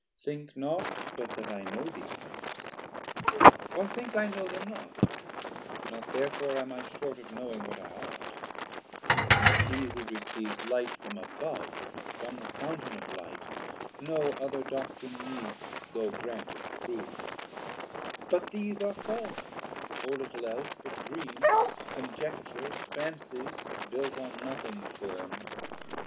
Think not but that I know these things, or think I know them not; not therefore am I short Of knowing what I aught: he who receives Light from above, from the fountain of light, No other doctrine needs, though granted true; 290 But these are false, or little else but dreams, Conjectures, fancies, built on nothing firm.